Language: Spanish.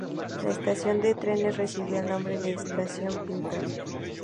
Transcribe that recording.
La estación de trenes recibió el nombre de "Estación Pintado".